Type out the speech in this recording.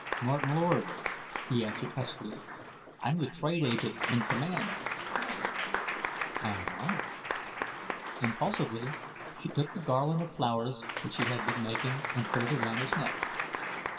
"Martin Lord," he answered huskily. "I'm the trade agent in command." "I am honored." Impulsively she took the garland of flowers which she had been making and put it around his neck.